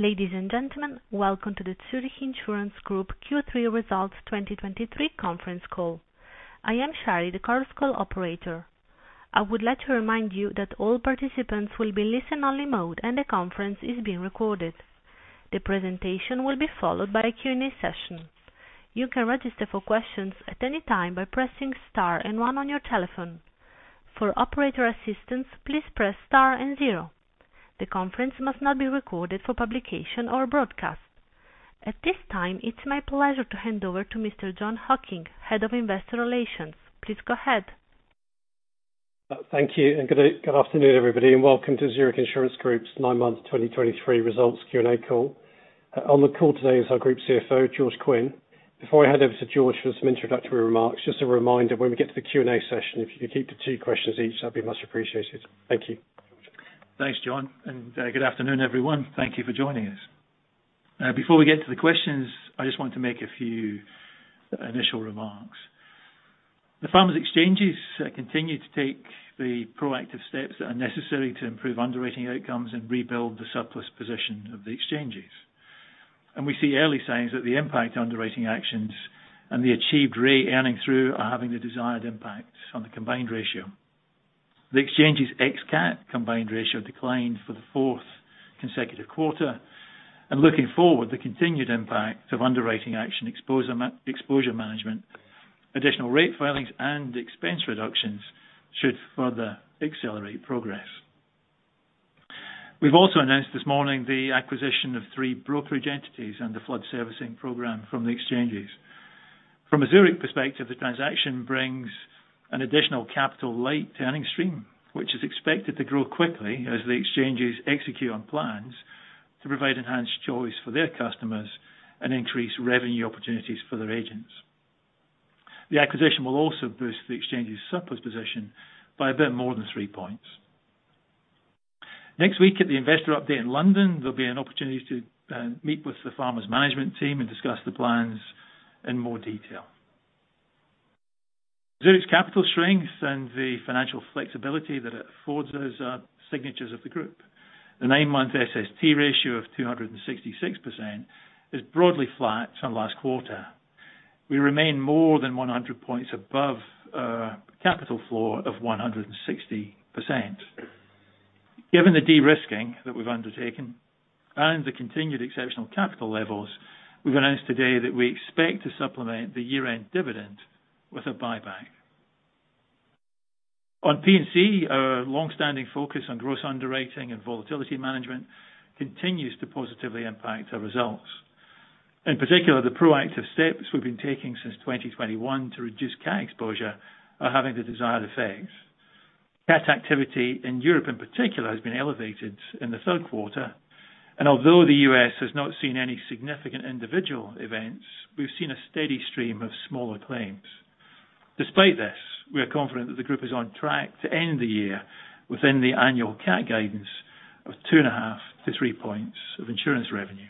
Ladies and gentlemen, welcome to the Zurich Insurance Group Q3 Results 2023 conference call. I am Shari, the Chorus call operator. I would like to remind you that all participants will be in listen-only mode, and the conference is being recorded. The presentation will be followed by a Q&A session. You can register for questions at any time by pressing star and one on your telephone. For operator assistance, please press star and zero. The conference must not be recorded for publication or broadcast. At this time, it's my pleasure to hand over to Mr. Jon Hocking, Head of Investor Relations. Please go ahead. Thank you, and good afternoon, everybody, and welcome to Zurich Insurance Group's nine-month 2023 results Q&A call. On the call today is our Group CFO, George Quinn. Before I hand over to George for some introductory remarks, just a reminder, when we get to the Q&A session, if you could keep to two questions each, that'd be much appreciated. Thank you. Thanks, Jon, and good afternoon, everyone. Thank you for joining us. Before we get to the questions, I just want to make a few initial remarks. The Farmers Exchanges continue to take the proactive steps that are necessary to improve underwriting outcomes and rebuild the surplus position of the exchanges. And we see early signs that the impact of underwriting actions and the achieved rate increases are having the desired impact on the combined ratio. The exchanges ex-cat combined ratio declined for the fourth consecutive quarter, and looking forward, the continued impact of underwriting actions, exposure management, additional rate filings, and expense reductions should further accelerate progress. We've also announced this morning the acquisition of three brokerage entities and the flood servicing program from the exchanges. From a Zurich perspective, the transaction brings an additional capital-light earning stream, which is expected to grow quickly as the exchanges execute on plans to provide enhanced choice for their customers and increase revenue opportunities for their agents. The acquisition will also boost the exchanges' surplus position by a bit more than three points. Next week, at the Investor Update in London, there'll be an opportunity to meet with the Farmers' management team and discuss the plans in more detail. Zurich's capital strength and the financial flexibility that it affords us are signatures of the group. The nine-month SST ratio of 266% is broadly flat from last quarter. We remain more than 100 points above our capital floor of 160%. Given the de-risking that we've undertaken and the continued exceptional capital levels, we've announced today that we expect to supplement the year-end dividend with a buyback. On P&C, our longstanding focus on gross underwriting and volatility management continues to positively impact our results. In particular, the proactive steps we've been taking since 2021 to reduce cat exposure are having the desired effects. Cat activity in Europe, in particular, has been elevated in the third quarter, and although the U.S. has not seen any significant individual events, we've seen a steady stream of smaller claims. Despite this, we are confident that the group is on track to end the year within the annual cat guidance of 2.5-3 points of insurance revenue.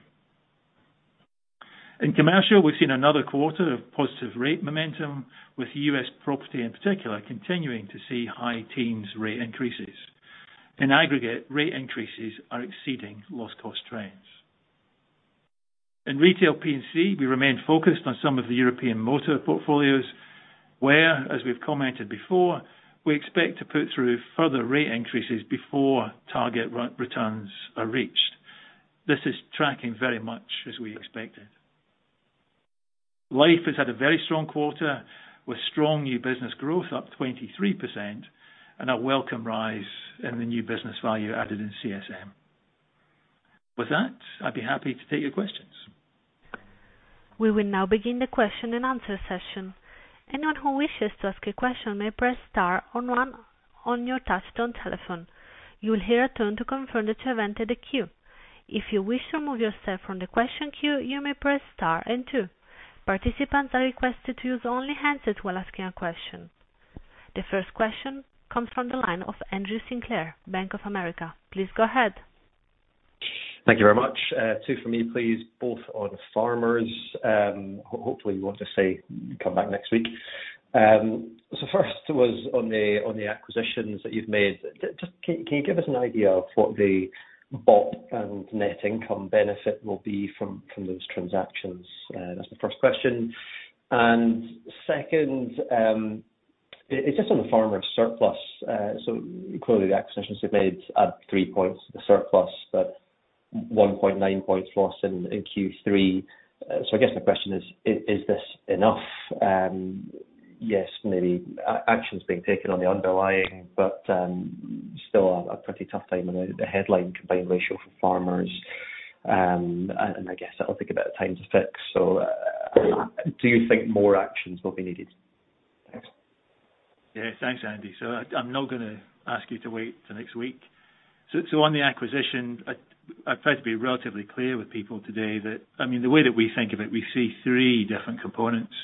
In commercial, we've seen another quarter of positive rate momentum, with U.S. property, in particular, continuing to see high teens rate increases. In aggregate, rate increases are exceeding loss cost trends. In retail P&C, we remain focused on some of the European motor portfolios, where, as we've commented before, we expect to put through further rate increases before target returns are reached. This is tracking very much as we expected. Life has had a very strong quarter, with strong new business growth up 23% and a welcome rise in the new business value added in CSM. With that, I'd be happy to take your questions. We will now begin the question-and-answer session. Anyone who wishes to ask a question may press star on one on your touchtone telephone. You will hear a tone to confirm that you have entered the queue. If you wish to remove yourself from the question queue, you may press star and two. Participants are requested to use only handset while asking a question. The first question comes from the line of Andrew Sinclair, Bank of America. Please go ahead. Thank you very much. 2 for me, please, both on Farmers. Hopefully you want to say, "Come back next week." So first was on the, on the acquisitions that you've made. Just can you give us an idea of what the BOP and net income benefit will be from, from those transactions? That's the first question. Second, it's just on the Farmers surplus. So clearly the acquisitions have made at 3 points the surplus, but 1.9 points loss in, in Q3. So I guess my question is: Is this enough? Yes, maybe action's being taken on the underlying, but, still a, a pretty tough time on the, the headline combined ratio for Farmers and, and I guess that'll take a bit of time to fix. Do you think more actions will be needed? Thanks. Yeah. Thanks, Andy. So I'm not gonna ask you to wait till next week. So on the acquisition, I tried to be relatively clear with people today that, I mean, the way that we think of it, we see three different components.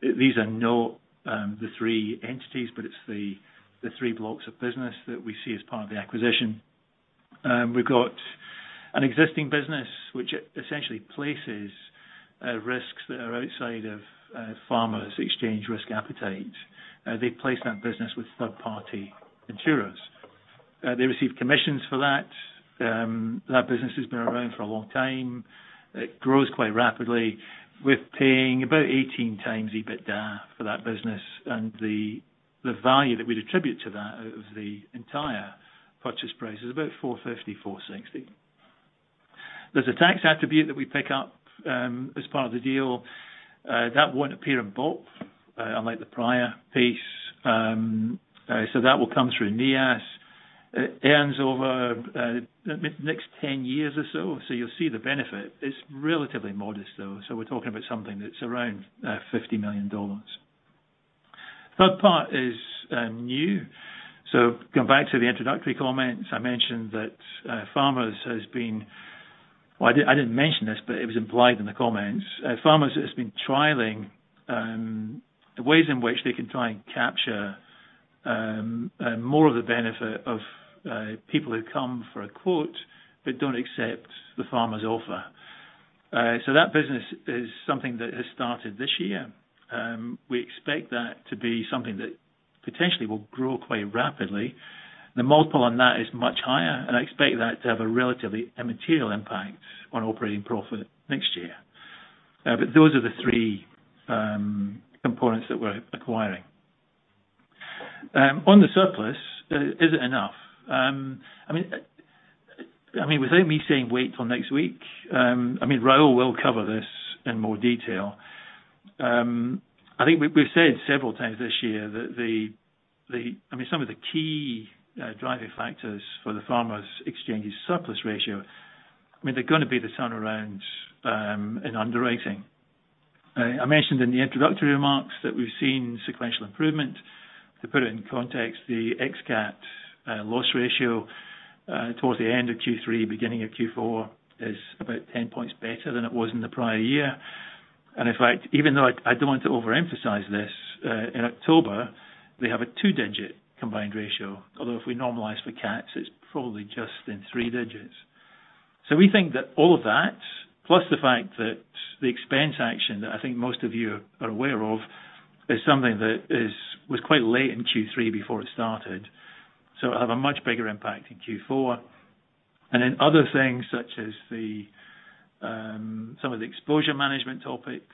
These are not the three entities, but it's the three blocks of business that we see as part of the acquisition. We've got an existing business, which essentially places risks that are outside of Farmers Exchanges risk appetite, they place that business with third-party insurers. They receive commissions for that. That business has been around for a long time. It grows quite rapidly. We're paying about 18x EBITDA for that business, and the value that we'd attribute to that of the entire purchase price is about $450-$460. There's a tax attribute that we pick up as part of the deal. That won't appear in BOP, unlike the prior piece. So that will come through NIAS. It earns over the next 10 years or so, so you'll see the benefit. It's relatively modest, though, so we're talking about something that's around $50 million. Third part is new. So going back to the introductory comments, I mentioned that Farmers has been... Well, I didn't mention this, but it was implied in the comments. Farmers has been trialing the ways in which they can try and capture more of the benefit of people who come for a quote but don't accept the Farmers offer. So that business is something that has started this year. We expect that to be something that potentially will grow quite rapidly. The multiple on that is much higher, and I expect that to have a relatively immaterial impact on operating profit next year. But those are the three components that we're acquiring. On the surplus, is it enough? I mean, without me saying wait till next week, I mean, Raul will cover this in more detail. I think we, we've said several times this year that the... I mean, some of the key driving factors for the Farmers Exchanges surplus ratio, I mean, they're gonna be the turnaround in underwriting. I mentioned in the introductory remarks that we've seen sequential improvement. To put it in context, the ex cat loss ratio towards the end of Q3, beginning of Q4, is about 10 points better than it was in the prior year. And in fact, even though I don't want to overemphasize this, in October, we have a two-digit combined ratio, although if we normalize for cats, it's probably just in three digits. So we think that all of that, plus the fact that the expense action that I think most of you are aware of, is something that was quite late in Q3 before it started, so it'll have a much bigger impact in Q4. And then other things such as some of the exposure management topics,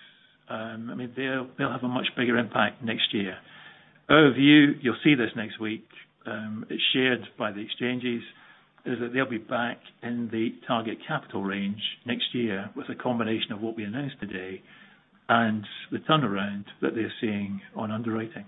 I mean, they'll have a much bigger impact next year. Our view, you'll see this next week, is shared by the exchanges, is that they'll be back in the target capital range next year with a combination of what we announced today and the turnaround that they're seeing on underwriting.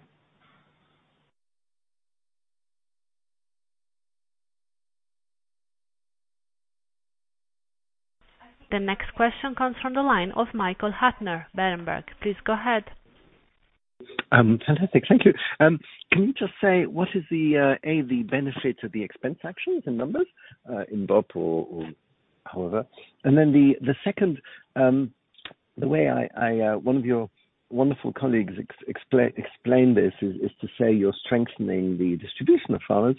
The next question comes from the line of Michael Huttner, Berenberg. Please go ahead. Fantastic. Thank you. Can you just say what is the A, the benefit of the expense actions and numbers in BOP or however? And then the second, the way I, one of your wonderful colleagues explained this is to say you're strengthening the distribution of Farmers.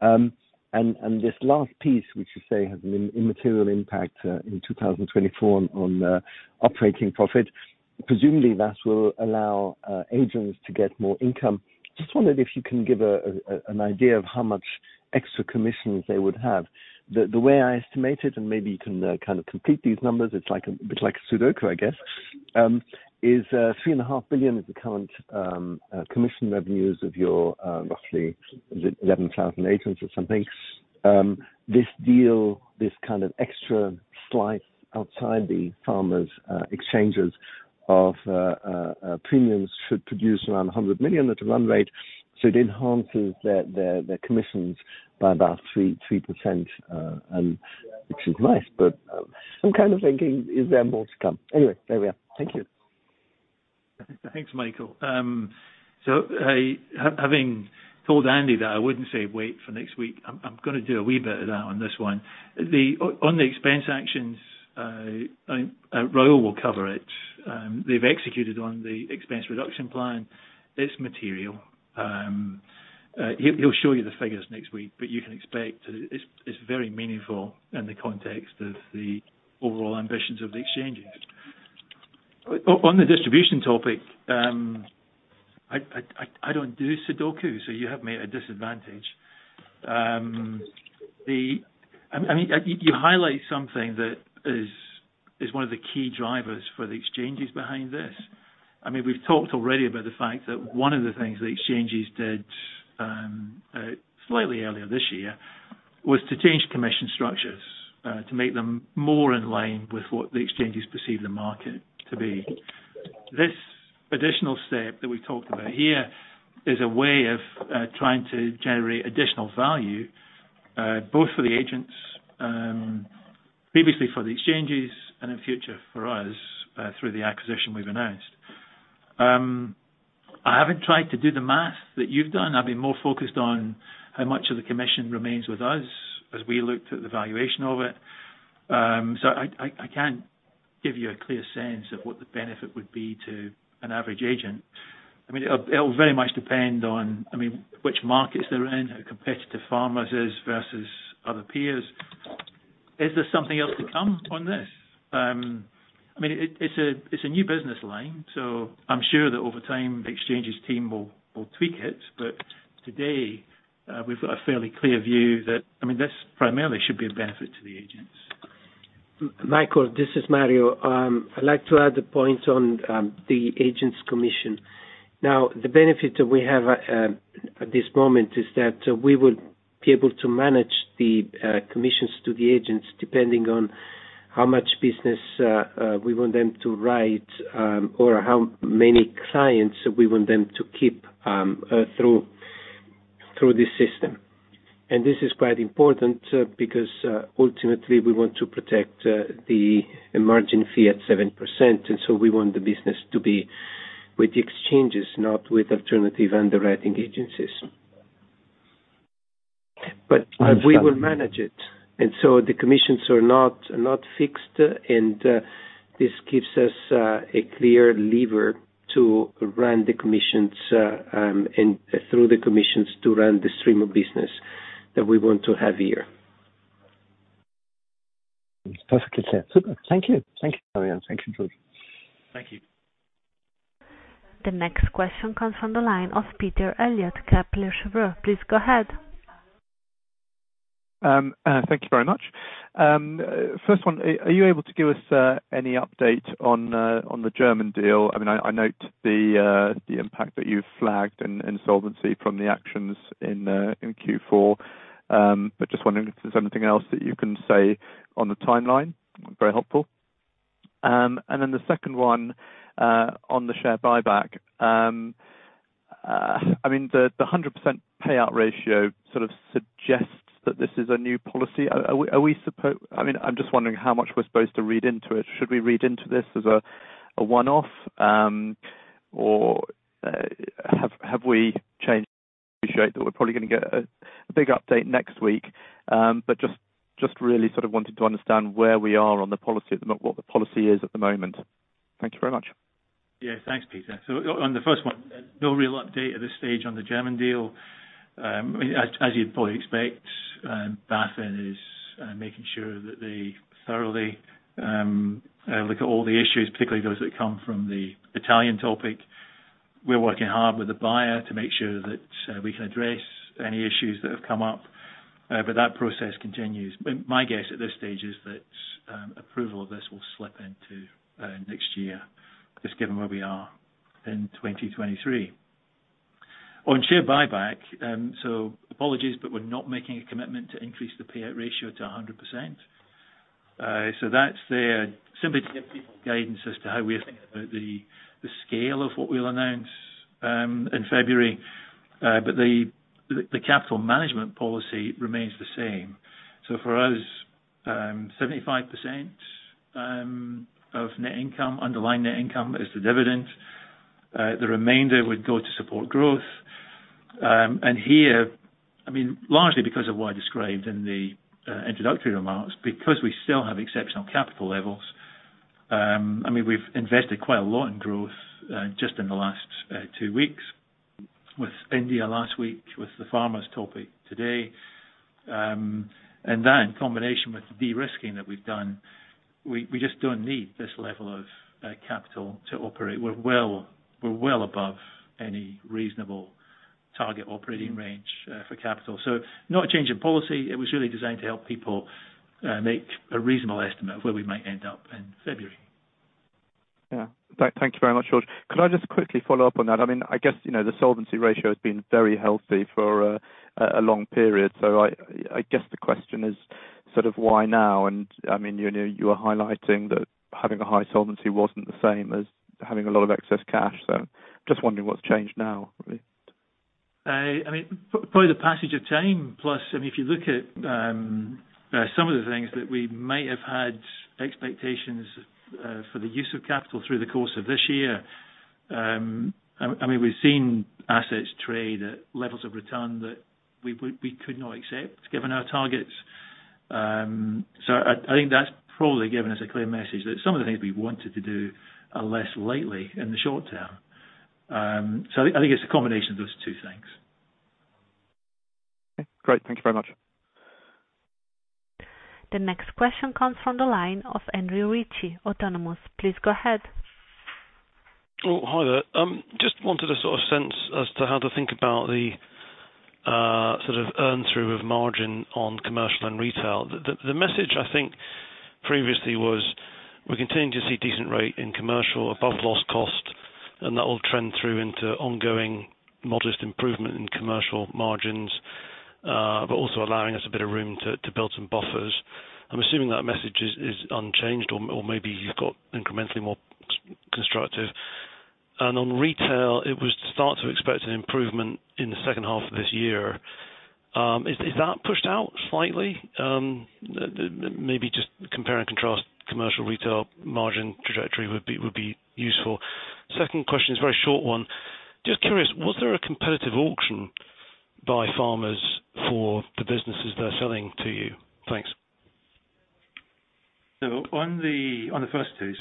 And this last piece, which you say has an immaterial impact in 2024 on operating profit. Presumably, that will allow agents to get more income. Just wondered if you can give an idea of how much extra commissions they would have. The way I estimate it, and maybe you can kind of complete these numbers, it's like a bit like Sudoku, I guess, is 3.5 billion is the current commission revenues of your roughly 11,000 agents or something. This deal, this kind of extra slice outside the Farmers Exchanges of premiums should produce around $100 million at a run rate, so it enhances their commissions by about 3%. And which is nice, but I'm kind of thinking, is there more to come? Anyway, there we are. Thank you. Thanks, Michael. So, having told Andy that I wouldn't say wait for next week, I'm gonna do a wee bit of that on this one. On the expense actions, Raul will cover it. They've executed on the expense reduction plan. It's material. He'll show you the figures next week, but you can expect it's very meaningful in the context of the overall ambitions of the exchanges. On the distribution topic, I don't do Sudoku, so you have me at a disadvantage. I mean, you highlight something that is one of the key drivers for the exchanges behind this. I mean, we've talked already about the fact that one of the things the exchanges did, slightly earlier this year, was to change commission structures, to make them more in line with what the exchanges perceive the market to be. This additional step that we've talked about here, is a way of, trying to generate additional value, both for the agents, previously for the exchanges, and in future for us, through the acquisition we've announced. I haven't tried to do the math that you've done. I've been more focused on how much of the commission remains with us, as we looked at the valuation of it. So I can't give you a clear sense of what the benefit would be to an average agent.... I mean, it'll very much depend on, I mean, which markets they're in, how competitive Farmers is versus other peers. Is there something else to come on this? I mean, it's a new business line, so I'm sure that over time, the exchanges team will tweak it. But today, we've got a fairly clear view that, I mean, this primarily should be a benefit to the agents. Michael, this is Mario. I'd like to add a point on the agents' commission. Now, the benefit that we have at this moment is that we will be able to manage the commissions to the agents, depending on how much business we want them to write or how many clients we want them to keep through the system. And this is quite important because ultimately we want to protect the margin fee at 7%, and so we want the business to be with the exchanges, not with alternative underwriting agencies. But we will manage it, and so the commissions are not fixed, and this gives us a clear lever to run the commissions and through the commissions to run the stream of business that we want to have here. Perfectly said. Super. Thank you. Thank you, Mario. Thank you, George. Thank you. The next question comes from the line of Peter Eliot, Kepler Cheuvreux. Please go ahead. Thank you very much. First one, are you able to give us any update on the German deal? I mean, I note the impact that you've flagged in solvency from the actions in Q4. But just wondering if there's anything else that you can say on the timeline. Very helpful. And then the second one, on the share buyback. I mean, the 100% payout ratio sort of suggests that this is a new policy. Are we supposed... I mean, I'm just wondering how much we're supposed to read into it. Should we read into this as a one-off, or have we changed that we're probably gonna get a big update next week, but just really sort of wanted to understand where we are on the policy at the moment, what the policy is at the moment. Thank you very much. Yeah, thanks, Peter. So on the first one, no real update at this stage on the German deal. I mean, as you'd probably expect, BaFin is making sure that they thoroughly look at all the issues, particularly those that come from the Italian topic. We're working hard with the buyer to make sure that we can address any issues that have come up, but that process continues. But my guess at this stage is that approval of this will slip into next year, just given where we are in 2023. On share buyback, so apologies, but we're not making a commitment to increase the payout ratio to 100%. So that's there simply to give people guidance as to how we are thinking about the scale of what we'll announce in February. But the capital management policy remains the same. So for us, 75% of net income, underlying net income, is the dividend. The remainder would go to support growth. And here, I mean, largely because of what I described in the introductory remarks, because we still have exceptional capital levels, I mean, we've invested quite a lot in growth, just in the last two weeks, with India last week, with the Farmers topic today. And that, in combination with the de-risking that we've done, we just don't need this level of capital to operate. We're well above any reasonable target operating range for capital. So not a change in policy. It was really designed to help people make a reasonable estimate of where we might end up in February. Yeah. Thank you very much, George. Could I just quickly follow up on that? I mean, I guess, you know, the solvency ratio has been very healthy for a long period. So I guess the question is, sort of why now? And I mean, you know, you are highlighting that having a high solvency wasn't the same as having a lot of excess cash. So just wondering what's changed now, really. I mean, probably the passage of time, plus, I mean, if you look at some of the things that we might have had expectations for the use of capital through the course of this year, I mean, we've seen assets trade at levels of return that we could not accept, given our targets. So I think that's probably given us a clear message that some of the things we wanted to do are less likely in the short term. So I think it's a combination of those two things. Okay, great. Thank you very much. The next question comes from the line of Andrew Ritchie, Autonomous. Please go ahead. Oh, hi there. Just wanted a sort of sense as to how to think about the sort of earn through of margin on commercial and retail. The message I think previously was, we're continuing to see decent rate in commercial above loss cost, and that will trend through into ongoing modest improvement in commercial margins, but also allowing us a bit of room to build some buffers. I'm assuming that message is unchanged or maybe you've got incrementally more constructive. And on retail, it was to start to expect an improvement in the second half of this year. Is that pushed out slightly? Maybe just compare and contrast commercial retail margin trajectory would be useful. Second question is a very short one. Just curious, was there a competitive auction by Farmers for the businesses they're selling to you? Thanks.... So on the first two,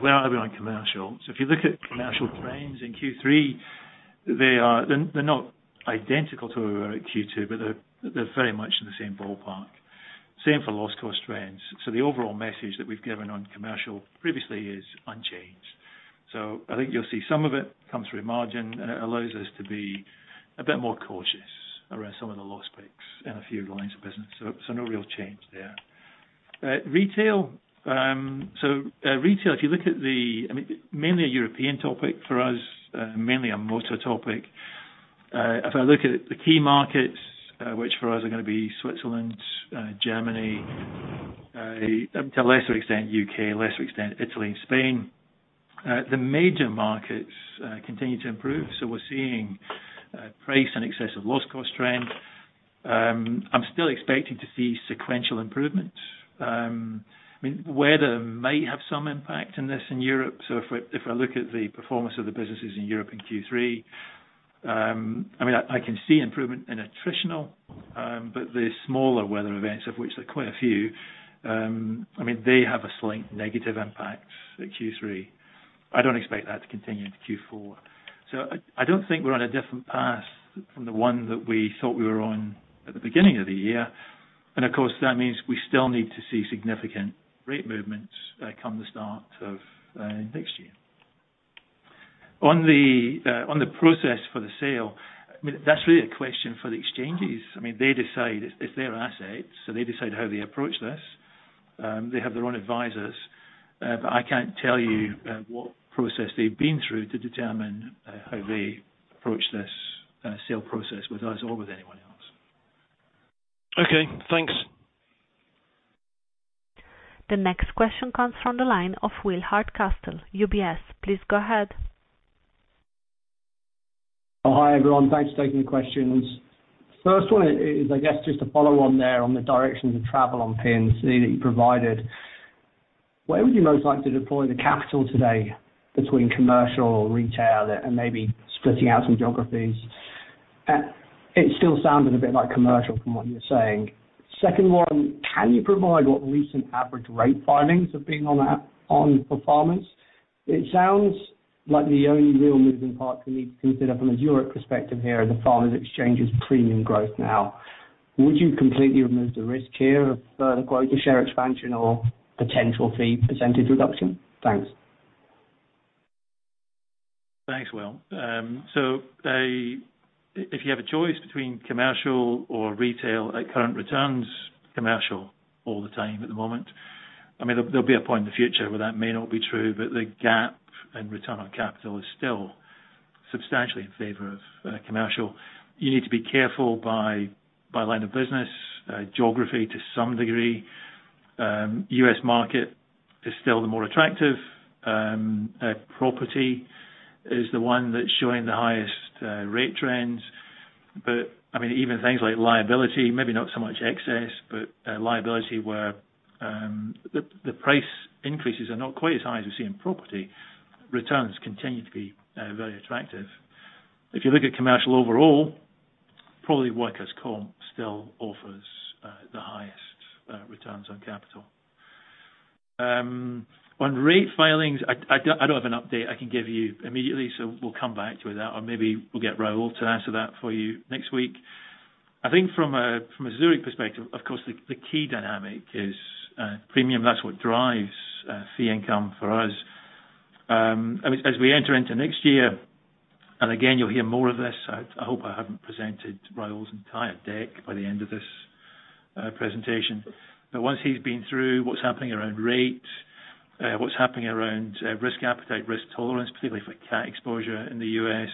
where are we on commercial? So if you look at commercial trends in Q3, they're not identical to where we were at Q2, but they're very much in the same ballpark. Same for loss cost trends. So the overall message that we've given on commercial previously is unchanged. So I think you'll see some of it come through margin, and it allows us to be a bit more cautious around some of the loss picks in a few lines of business. So no real change there. Retail, retail, if you look at the... I mean, mainly a European topic for us, mainly a motor topic. If I look at the key markets, which for us are gonna be Switzerland, Germany, to a lesser extent U.K., lesser extent, Italy and Spain, the major markets continue to improve. So we're seeing price and excessive loss cost trend. I'm still expecting to see sequential improvement. I mean, weather may have some impact in Europe, so if I look at the performance of the businesses in Europe in Q3, I mean, I can see improvement in attritional, but the smaller weather events, of which there are quite a few, I mean, they have a slight negative impact at Q3. I don't expect that to continue into Q4. So I don't think we're on a different path from the one that we thought we were on at the beginning of the year. Of course, that means we still need to see significant rate movements, come the start of next year. On the process for the sale, I mean, that's really a question for the exchanges. I mean, they decide, it's their assets, so they decide how they approach this. They have their own advisors, but I can't tell you what process they've been through to determine how they approach this sale process with us or with anyone else. Okay, thanks. The next question comes from the line of Will Hardcastle, UBS. Please go ahead. Oh, hi, everyone. Thanks for taking the questions. First one is, I guess, just to follow on there on the directions of travel on P&C's that you provided. Where would you most like to deploy the capital today between commercial or retail and maybe splitting out some geographies? It still sounded a bit like commercial from what you're saying. Second one, can you provide what recent average rate filings have been on performance? It sounds like the only real moving part we need to consider from a Zurich perspective here is the Farmers Exchanges premium growth now. Would you completely remove the risk here of further quota share expansion or potential fee percentage reduction? Thanks. Thanks, Will. So, if you have a choice between commercial or retail at current returns, commercial all the time at the moment. I mean, there'll be a point in the future where that may not be true, but the gap in return on capital is still substantially in favor of commercial. You need to be careful by line of business, geography to some degree. U.S. market is still the more attractive. Property is the one that's showing the highest rate trends. But, I mean, even things like liability, maybe not so much excess, but liability where the price increases are not quite as high as we see in property, returns continue to be very attractive. If you look at commercial overall, probably workers' comp still offers the highest returns on capital. On rate filings, I don't have an update I can give you immediately, so we'll come back to you with that, or maybe we'll get Raul to answer that for you next week. I think from a Zurich perspective, of course, the key dynamic is premium. That's what drives fee income for us. As we enter into next year, and again, you'll hear more of this, I hope I haven't presented Raul's entire deck by the end of this presentation. But once he's been through what's happening around rate, what's happening around risk appetite, risk tolerance, particularly for cat exposure in the U.S.,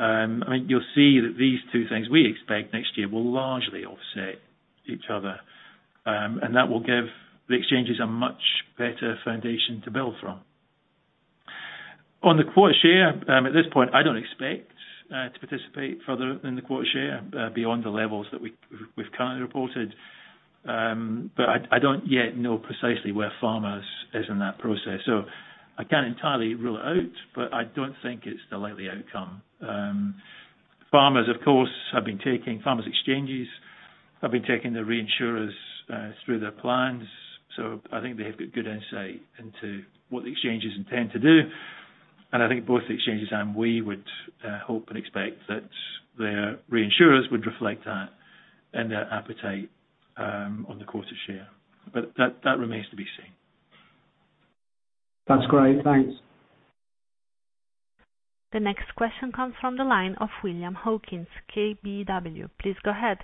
I mean, you'll see that these two things we expect next year will largely offset each other. And that will give the exchanges a much better foundation to build from. On the quota share, at this point, I don't expect to participate further in the quota share beyond the levels that we've currently reported. But I don't yet know precisely where Farmers is in that process, so I can't entirely rule it out, but I don't think it's the likely outcome. Farmers exchanges have been taking the reinsurers through their plans, so I think they have good insight into what the exchanges intend to do. And I think both the exchanges and we would hope and expect that their reinsurers would reflect that in their appetite on the quota share. But that remains to be seen. That's great. Thanks. The next question comes from the line of William Hawkins, KBW. Please go ahead.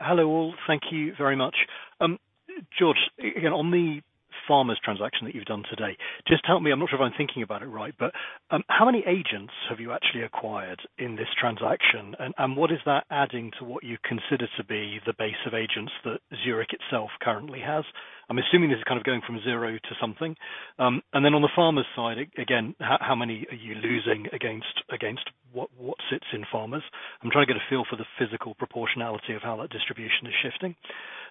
Hello, all. Thank you very much. George, again, on the Farmers transaction that you've done today, just help me. I'm not sure if I'm thinking about it right, but how many agents have you actually acquired in this transaction? And what is that adding to what you consider to be the base of agents that Zurich itself currently has? I'm assuming this is kind of going from zero to something. And then on the Farmers side, again, how many are you losing against what sits in Farmers? I'm trying to get a feel for the physical proportionality of how that distribution is shifting.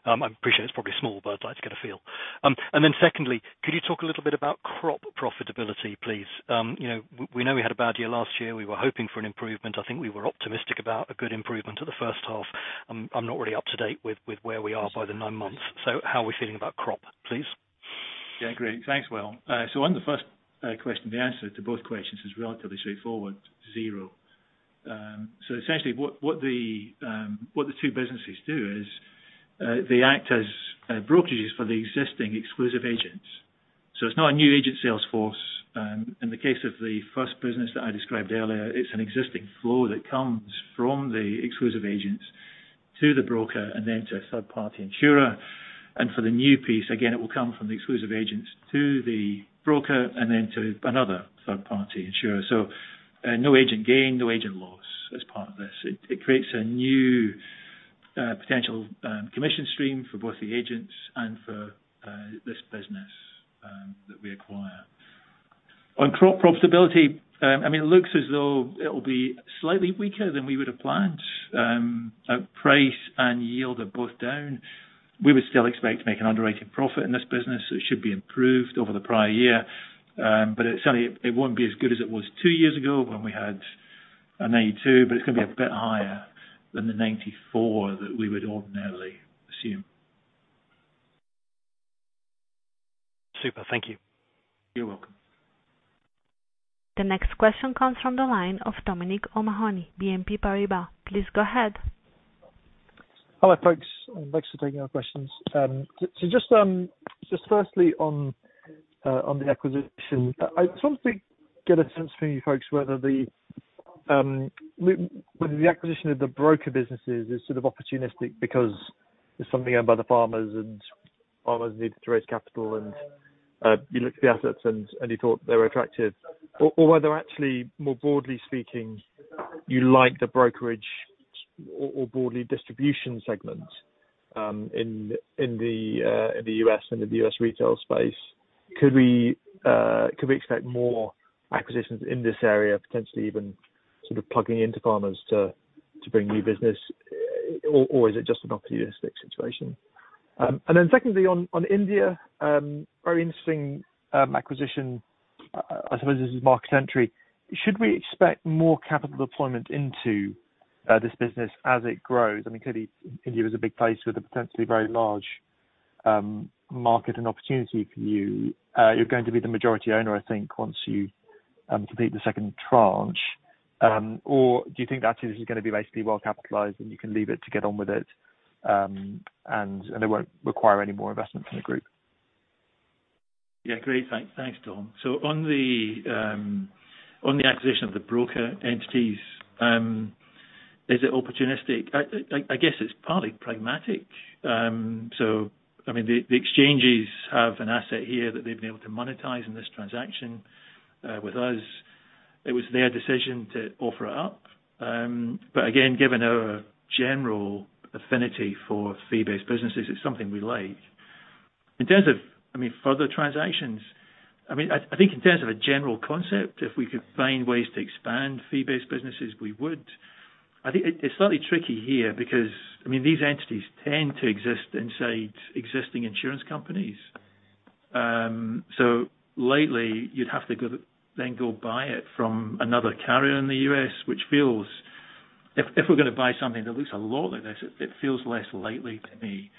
I appreciate it's probably small, but I'd like to get a feel. And then secondly, could you talk a little bit about crop profitability, please? You know, we know we had a bad year last year. We were hoping for an improvement. I think we were optimistic about a good improvement to the first half. I'm not really up to date with where we are by the nine months. So how are we feeling about crop, please?... Yeah, great. Thanks, Will. So on the first question, the answer to both questions is relatively straightforward, zero. So essentially, what the two businesses do is they act as brokerages for the existing exclusive agents. So it's not a new agent sales force. In the case of the first business that I described earlier, it's an existing flow that comes from the exclusive agents to the broker and then to a third party insurer. And for the new piece, again, it will come from the exclusive agents to the broker and then to another third party insurer. So no agent gain, no agent loss as part of this. It creates a new potential commission stream for both the agents and for this business that we acquire. On profitability, I mean, it looks as though it'll be slightly weaker than we would've planned. Our price and yield are both down. We would still expect to make an underwritten profit in this business. It should be improved over the prior year. But it certainly won't be as good as it was two years ago when we had a 92%, but it's gonna be a bit higher than the 94% that we would ordinarily assume. Super, thank you. You're welcome. The next question comes from the line of Dominic O'Mahony, BNP Paribas. Please go ahead. Hello, folks. Thanks for taking our questions. So just, just firstly on the acquisition, I just want to get a sense from you folks, whether the, whether the acquisition of the broker businesses is sort of opportunistic because it's something owned by the Farmers, and Farmers needed to raise capital, and, you looked at the assets and, and you thought they were attractive. Or, or whether actually, more broadly speaking, you like the brokerage or, or broadly distribution segment, in, in the, in the U.S. and in the U.S. retail space. Could we, could we expect more acquisitions in this area, potentially even sort of plugging into Farmers to, to bring new business, or, or is it just an opportunistic situation? And then secondly, on India, very interesting, acquisition. I suppose this is market entry. Should we expect more capital deployment into this business as it grows? I mean, clearly, India is a big place with a potentially very large market and opportunity for you. You're going to be the majority owner, I think, once you complete the second tranche. Or do you think actually this is gonna be basically well capitalized, and you can leave it to get on with it, and it won't require any more investment from the group? Yeah, great. Thanks. Thanks, Dom. So on the acquisition of the broker entities, is it opportunistic? I guess it's partly pragmatic. So I mean, the exchanges have an asset here that they've been able to monetize in this transaction with us. It was their decision to offer it up. But again, given our general affinity for fee-based businesses, it's something we like. In terms of, I mean, further transactions, I mean, I think in terms of a general concept, if we could find ways to expand fee-based businesses, we would. I think it's slightly tricky here because, I mean, these entities tend to exist inside existing insurance companies. So lately, you'd have to go buy it from another carrier in the U.S., which feels... If we're gonna buy something that looks a lot like this, it feels less likely to me.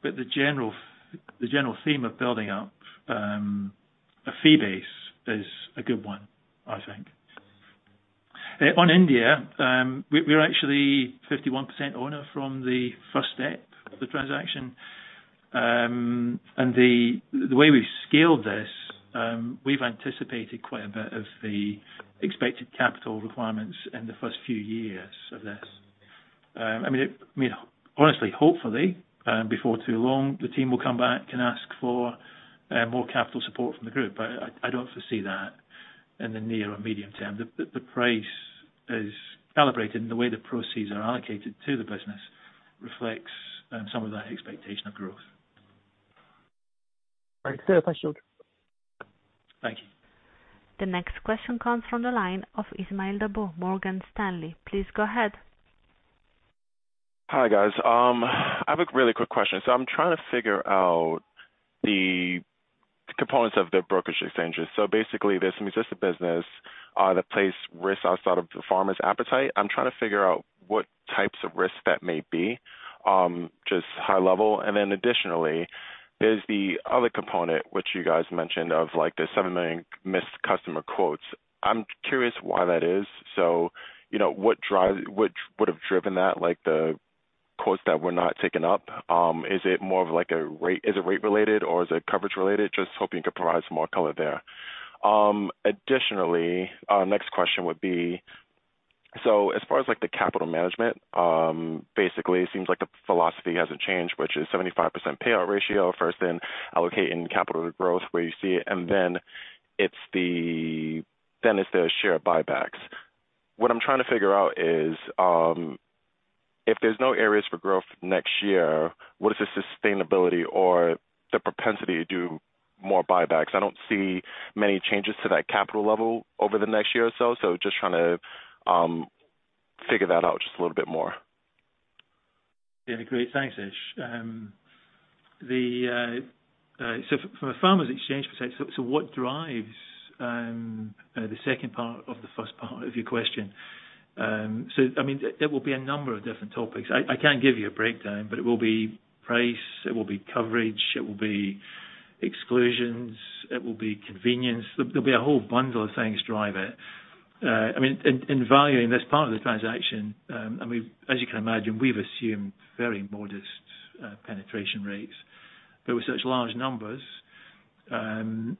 But the general theme of building up a fee base is a good one, I think. On India, we're actually 51% owner from the first step of the transaction. And the way we've scaled this, we've anticipated quite a bit of the expected capital requirements in the first few years of this. I mean, honestly, hopefully, before too long, the team will come back and ask for more capital support from the group, but I don't foresee that in the near or medium term. The price is calibrated, and the way the proceeds are allocated to the business reflects some of that expectation of growth. Great. Fair question. Thank you. The next question comes from the line of Ismael Dabo, Morgan Stanley. Please go ahead. Hi, guys. I have a really quick question. So I'm trying to figure out the components of the brokerage exchanges. So basically, there's an existing business that places risks outside of the Farmers' appetite. I'm trying to figure out what types of risks that may be, just high level. And then additionally, there's the other component, which you guys mentioned, of, like, the 7 million missed customer quotes. I'm curious why that is. So, you know, what would have driven that, like, the quotes that were not taken up? Is it more of like a rate related, or is it coverage related? Just hoping you could provide some more color there. Additionally, our next question would be: so as far as, like, the capital management, basically, it seems like the philosophy hasn't changed, which is 75% payout ratio, first in allocating capital growth where you see it, and then it's the share buybacks. What I'm trying to figure out is, if there's no areas for growth next year, what is the sustainability or the propensity to do more buybacks? I don't see many changes to that capital level over the next year or so, so just trying to figure that out just a little bit more. Yeah, great. Thanks, Ish. So from a Farmers Exchanges perspective, so what drives the second part of the first part of your question? So I mean, there will be a number of different topics. I can't give you a breakdown, but it will be price, it will be coverage, it will be exclusions, it will be convenience. There'll be a whole bundle of things drive it. I mean, in valuing this part of the transaction, I mean, as you can imagine, we've assumed very modest penetration rates. But with such large numbers, and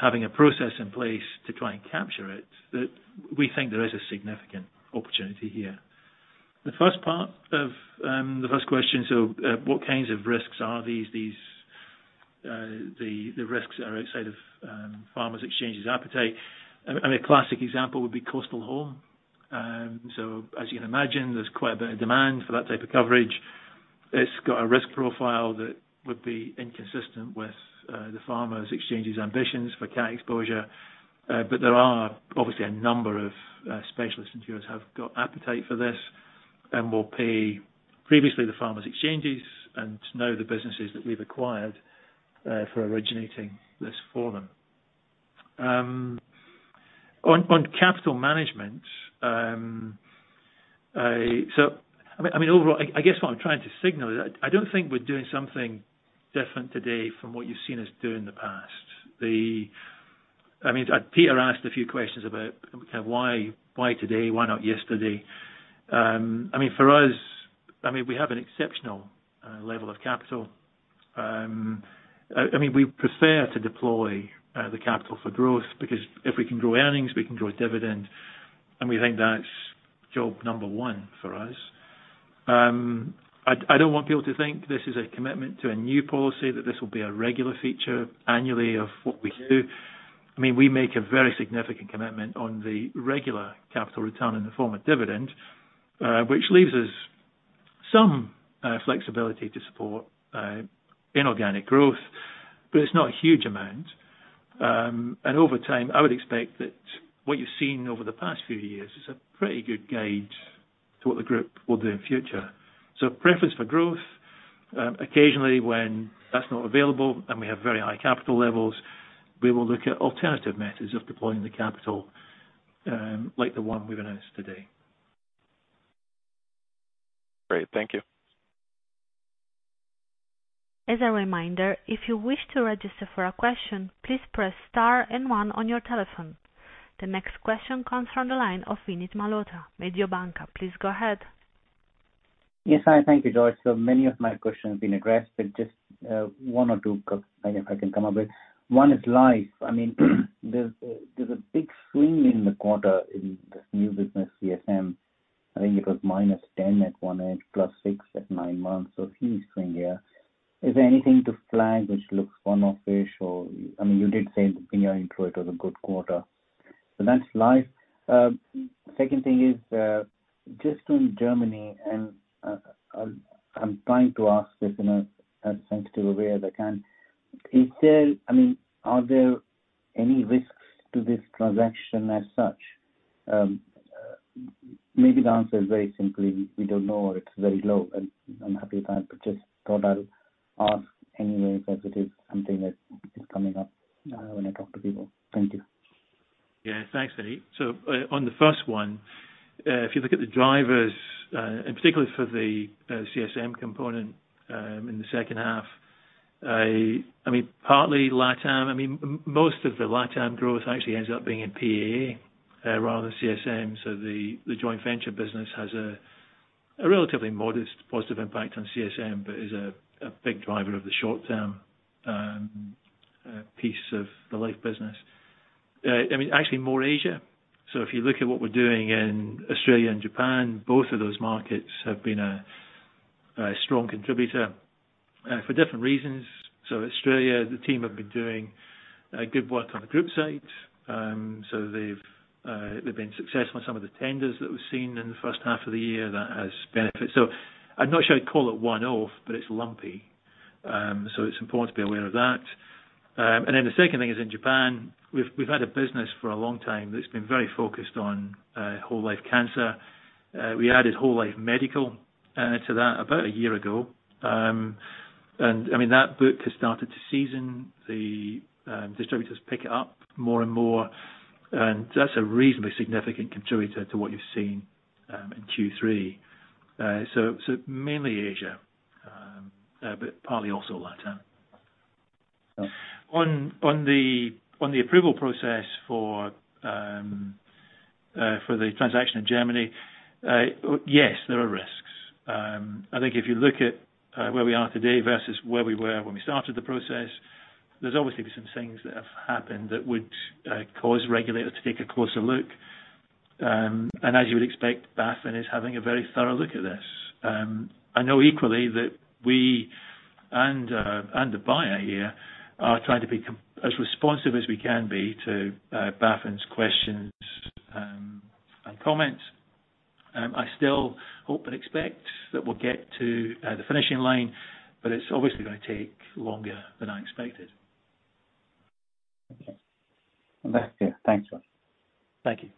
having a process in place to try and capture it, that we think there is a significant opportunity here. The first part of the first question, what kinds of risks are these, the risks are outside of Farmers Exchanges' appetite? I mean, a classic example would be coastal home. So as you can imagine, there's quite a bit of demand for that type of coverage. It's got a risk profile that would be inconsistent with the Farmers Exchanges ambitions for cat exposure. But there are obviously a number of specialist insurers have got appetite for this, and will pay previously, the Farmers Exchanges, and now the businesses that we've acquired, for originating this for them. On capital management, I mean, overall, I guess what I'm trying to signal is I don't think we're doing something different today from what you've seen us do in the past. The... I mean, Peter asked a few questions about kind of why, why today? Why not yesterday? I mean, for us, I mean, we have an exceptional level of capital. I mean, we prefer to deploy the capital for growth, because if we can grow earnings, we can grow dividend, and we think that's job number one for us. I don't want people to think this is a commitment to a new policy, that this will be a regular feature annually of what we do. I mean, we make a very significant commitment on the regular capital return in the form of dividend, which leaves us some flexibility to support inorganic growth, but it's not a huge amount. Over time, I would expect that what you've seen over the past few years is a pretty good gauge to what the group will do in future. So preference for growth, occasionally, when that's not available and we have very high capital levels, we will look at alternative methods of deploying the capital, like the one we've announced today. Great. Thank you. As a reminder, if you wish to register for a question, please press star and one on your telephone. The next question comes from the line of Vinit Malhotra, Mediobanca. Please go ahead. Yes, hi. Thank you, George. So many of my questions have been addressed, but just one or two, if I can come up with. One is life. I mean, there's a big swing in the quarter in this new business CSM. I think it was -10 at one end, +6 at nine months. So huge swing here. Is there anything to flag which looks unofficial? I mean, you did say in your intro it was a good quarter. So that's life. Second thing is just on Germany, and I'm trying to ask this in as sensitive way as I can. Is there... I mean, are there any risks to this transaction as such? Maybe the answer is very simply, we don't know, or it's very low, and I'm happy with that, but just thought I'd ask anyway, because it is something that is coming up, when I talk to people. Thank you. Yeah, thanks, Vinit. So, on the first one, if you look at the drivers, and particularly for the CSM component, in the second half, I mean, partly Latam. I mean, most of the Latam growth actually ends up being in PAA, rather than CSM. So the joint venture business has a relatively modest positive impact on CSM, but is a big driver of the short-term piece of the life business. I mean, actually more Asia. So if you look at what we're doing in Australia and Japan, both of those markets have been a strong contributor, for different reasons. So Australia, the team have been doing good work on the group site. So they've been successful in some of the tenders that we've seen in the first half of the year. That has benefits. So I'm not sure I'd call it one-off, but it's lumpy. So it's important to be aware of that. And then the second thing is in Japan, we've had a business for a long time that's been very focused on whole life cancer. We added whole life medical to that about a year ago. And I mean, that book has started to season, the distributors pick it up more and more, and that's a reasonably significant contributor to what you've seen in Q3. So mainly Asia, but partly also Latam. Oh. On the approval process for the transaction in Germany, yes, there are risks. I think if you look at where we are today versus where we were when we started the process, there's obviously some things that have happened that would cause regulators to take a closer look. And as you would expect, BaFin is having a very thorough look at this. I know equally that we and the buyer here are trying to be as responsive as we can be to BaFin's questions and comments. I still hope and expect that we'll get to the finishing line, but it's obviously going to take longer than I expected. Okay. Thank you. Thanks a lot. Thank you.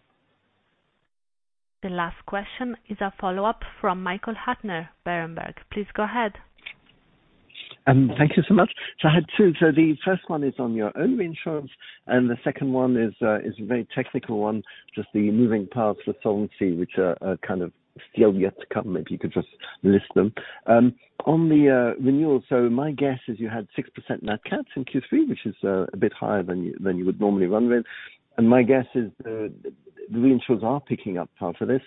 The last question is a follow-up from Michael Huttner, Berenberg. Please go ahead.... Thank you so much. So I had two. So the first one is on your own reinsurance, and the second one is a very technical one, just the moving parts of solvency, which are kind of still yet to come. Maybe you could just list them. On the renewal, so my guess is you had 6% nat cats in Q3, which is a bit higher than you would normally run with. And my guess is the reinsurers are picking up part of this.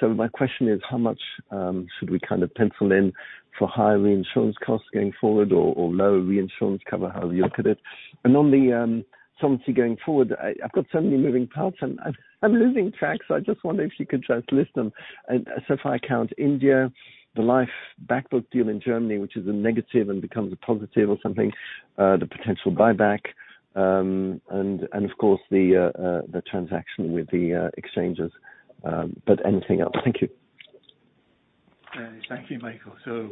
So my question is, how much should we kind of pencil in for higher reinsurance costs going forward or lower reinsurance cover? How do you look at it? And on the solvency going forward, I've got so many moving parts, and I've... I'm losing track, so I just wonder if you could just list them. And so if I count India, the life back book deal in Germany, which is a negative and becomes a positive or something, the potential buyback, and, and of course the, the transaction with the, exchanges, but anything else? Thank you. Thank you, Michael. So,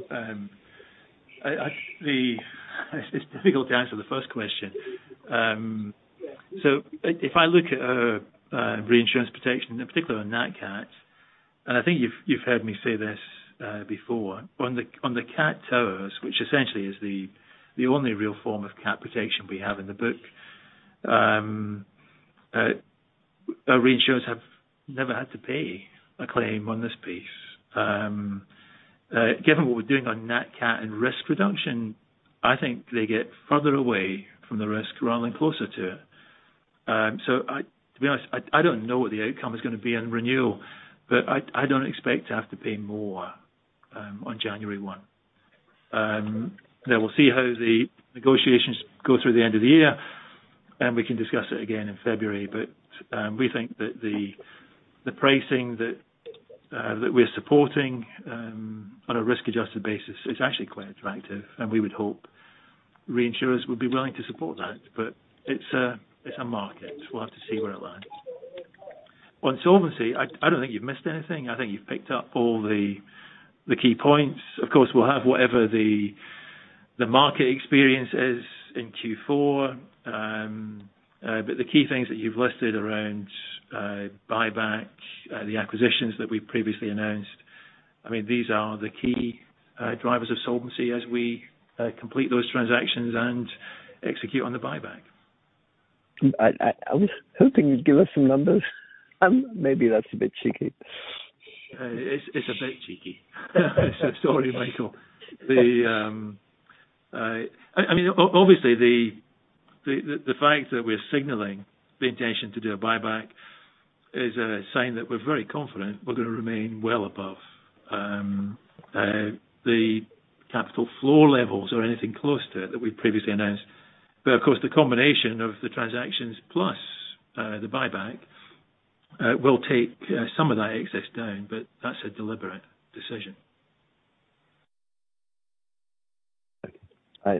it's difficult to answer the first question. So if I look at reinsurance protection, in particular on nat cat, and I think you've heard me say this before. On the cat towers, which essentially is the only real form of cat protection we have in the book. Our reinsurers have never had to pay a claim on this piece. Given what we're doing on nat cat and risk reduction, I think they get further away from the risk rather than closer to it. So, to be honest, I don't know what the outcome is gonna be on renewal, but I don't expect to have to pay more on January 1. Now we'll see how the negotiations go through the end of the year, and we can discuss it again in February. But, we think that the, the pricing that, that we're supporting, on a risk-adjusted basis is actually quite attractive, and we would hope reinsurers would be willing to support that. But it's a, it's a market. We'll have to see where it lands. On solvency, I, I don't think you've missed anything. I think you've picked up all the, the key points. Of course, we'll have whatever the, the market experience is in Q4. But the key things that you've listed around, buyback, the acquisitions that we've previously announced, I mean, these are the key, drivers of solvency as we, complete those transactions and execute on the buyback. I was hoping you'd give us some numbers. Maybe that's a bit cheeky. It's a bit cheeky. So sorry, Michael. I mean, obviously, the fact that we're signaling the intention to do a buyback is a sign that we're very confident we're gonna remain well above the capital floor levels or anything close to it that we've previously announced. But of course, the combination of the transactions plus the buyback will take some of that excess down, but that's a deliberate decision.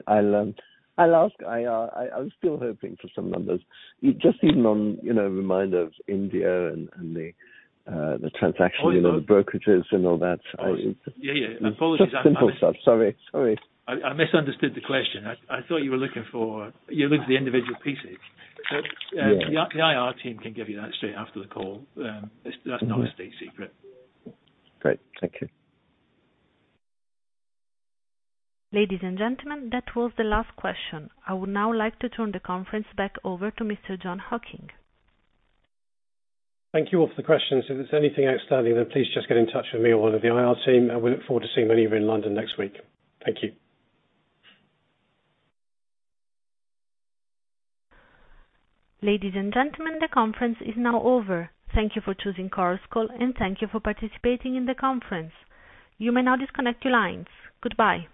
I'll ask. I was still hoping for some numbers, just even on, you know, reminder of India and the transaction, you know, the brokerages and all that. Yeah, yeah. I apologize- Just simple stuff. Sorry, sorry. I misunderstood the question. I thought you were looking for... You're looking for the individual pieces. Yeah. The IR team can give you that straight after the call. Mm-hmm. That's not a state secret. Great. Thank you. Ladies and gentlemen, that was the last question. I would now like to turn the conference back over to Mr. Jon Hocking. Thank you all for the questions. If there's anything outstanding, then please just get in touch with me or one of the IR team, and we look forward to seeing many of you in London next week. Thank you. Ladies and gentlemen, the conference is now over. Thank you for choosing Chorus Call, and thank you for participating in the conference. You may now disconnect your lines. Goodbye.